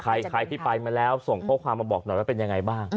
ใครที่ไปมาแล้วส่งข้อความมาบอกหน่อยว่าเป็นยังไงบ้าง